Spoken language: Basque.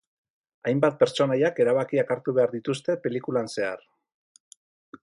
Hainbat pertsonaiak erabakiak hartu behar dituzte pelikulan zehar.